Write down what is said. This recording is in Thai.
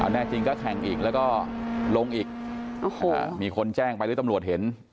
แน่จริงก็แข่งอีกแล้วก็ลงอีกโอ้โหมีคนแจ้งไปหรือตำรวจเห็น